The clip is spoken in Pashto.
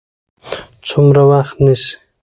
څومره وخت نیسي؟